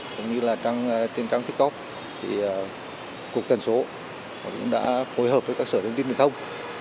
cũng như là trên trang tiktok thì cục tần số cũng đã phối hợp với các sở thông tin truyền thông